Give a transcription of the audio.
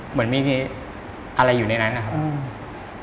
เหมือนมีอะไรอยู่ในนั้นนะครับ